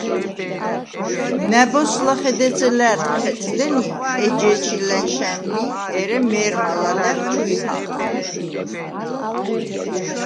ნა̈ბოზს ლახე დეცე ლა̄̈რტყ ხეწდენი, ეჯ’ე̄ჩი ლა̈ნშა̈ნ ლი, ერე მე̄რმა ლადა̈ღ ჩუ იჰა̄ვდა̈რ.